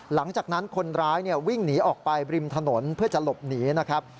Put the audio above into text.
หลังจากนั้นคนร้ายวิ่งหนีออกไปบริมถนนเพื่อจะหลบหนีนะครับ